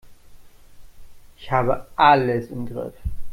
Ich habe alles im Griff.